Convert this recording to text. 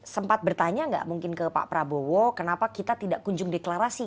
sempat bertanya nggak mungkin ke pak prabowo kenapa kita tidak kunjung deklarasi